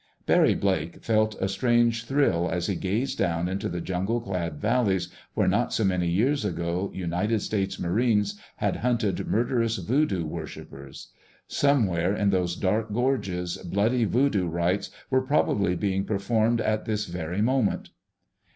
Barry Blake felt a strange thrill as he gazed down into the jungle clad valleys where not so many years ago United States Marines had hunted murderous voodoo worshipers. Somewhere in those dark gorges bloody voodoo rites were probably being performed at this very moment.